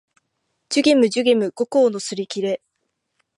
寿限無寿限無五劫のすりきれ